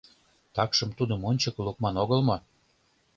Такшым тудым ончыко лукман огыл мо?